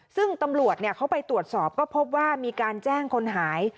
ซึ่งตำรวจเขาไปตรวจสอบก็พบว่ามีการแจ้งคนหาย